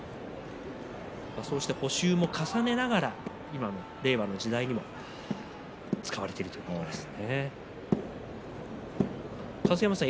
そうして補修も重ねながら令和の時代にも使われているものですね。